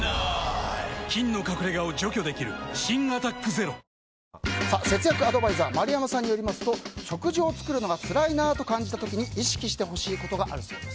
菌の隠れ家を除去できる新「アタックＺＥＲＯ」節約アドバイザー丸山さんによりますと食事を作るのがつらいなと感じた時に意識してほしいことがあるそうです。